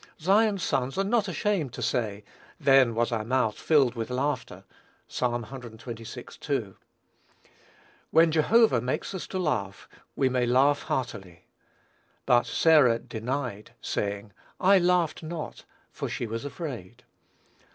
Zion's sons are not ashamed to say, "then was our mouth filled with laughter." (Ps. cxxvi. 2.) When Jehovah makes us to laugh, we may laugh heartily. "But Sarah denied, saying, I laughed not; for she was afraid."